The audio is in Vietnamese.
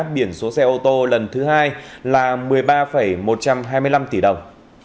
biển số xe ô tô lần thứ hai là một mươi ba một trăm hai mươi năm tỷ đồng